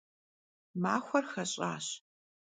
Maxuem xeş'aş.